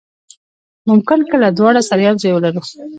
ممکن کله دواړه سره یو ځای ولرو.